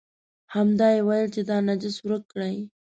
همدې یې ویل چې دا نجس ورک کړئ.